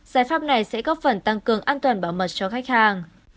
giải pháp này sẽ góp phần tăng cường an toàn bảo mật cho khách hàng